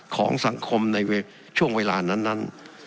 ของสังคมในช่วงเวลานั้น